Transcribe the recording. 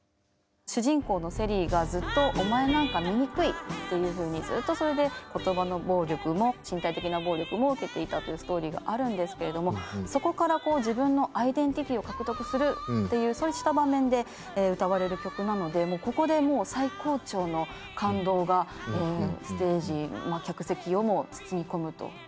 主人公のセリーがずっと「お前なんか醜い」っていうふうにずっとそれで言葉の暴力も身体的な暴力も受けていたというストーリーがあるんですけれどもそこから自分のアイデンティティーを獲得するっていうそうした場面で歌われる曲なのでここでもう最高潮の感動がステージ客席をも包み込むと。